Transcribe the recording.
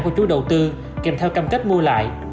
của chủ đầu tư kèm theo cam kết mua lại